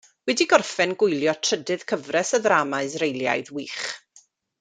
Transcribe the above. Wedi gorffen gwylio trydydd cyfres y ddrama Israelaidd wych.